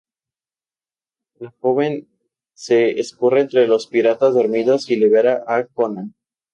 La joven se escurre entre los piratas dormidos y libera a Conan.